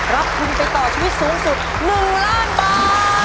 รับคุณไปต่อที่สูงสุด๑ล้านบาท